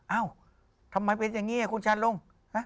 เอ้าทำไมเป็นอย่างนี้คุณชาลง